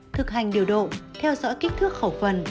thực hành điều độ theo dõi kích thước khẩu phần